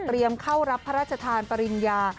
เตรียมเข้ารับพระราชทานปริญญา